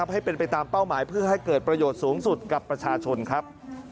ให้เป็นไปตามเป้าหมายเพื่อให้เกิดประโยชน์สูงสุดกับประชาชนครับ